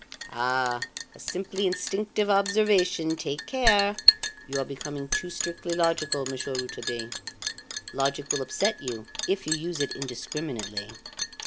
"Ah! a simply instinctive observation! Take care! You are becoming too strictly logical, Monsieur Rouletabille; logic will upset you if you use it indiscriminately.